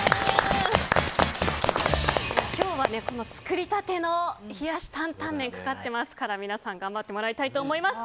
今日は作り立ての冷やしタンタン麺がかかってますから、皆さん頑張ってもらいたいと思います。